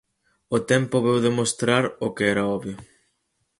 O tempo veu demostrar o que era obvio.